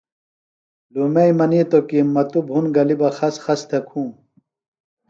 لُومئی منیتو کی مہ تو بُھن تھےۡ گلیۡ خس خس تھےۡ کُھوم۔